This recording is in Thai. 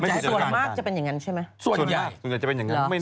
ไม่น่าไปได้กัน